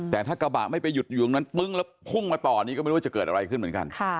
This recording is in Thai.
แต่ถ้ากระบะไม่ไปหยุดอยู่ตรงนั้นปึ้งแล้วพุ่งมาต่อนี่ก็ไม่รู้ว่าจะเกิดอะไรขึ้นเหมือนกัน